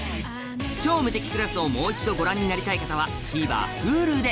『超無敵クラス』をもう一度ご覧になりたい方はＴＶｅｒＨｕｌｕで